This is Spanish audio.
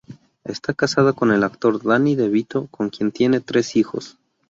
Está casada con el actor Danny de Vito, con quien tiene tres hijos.